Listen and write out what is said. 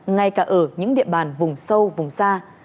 ngay cả ở những địa bàn vùng sâu vùng xa